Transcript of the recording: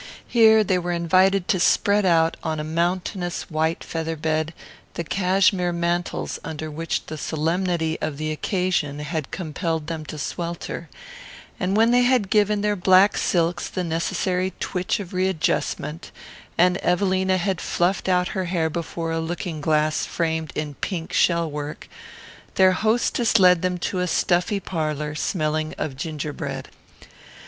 Here they were invited to spread out on a mountainous white featherbed the cashmere mantles under which the solemnity of the occasion had compelled them to swelter, and when they had given their black silks the necessary twitch of readjustment, and Evelina had fluffed out her hair before a looking glass framed in pink shell work, their hostess led them to a stuffy parlour smelling of gingerbread.